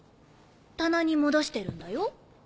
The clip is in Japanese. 棚に戻してるんだよ。